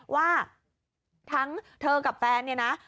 ว่าทั้งเธอกับแฟนเนี่ยนะ